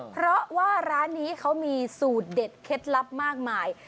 เพราะว่าร้านนี้เขามีสูตรเด็ดเคล็ดลับมากมาย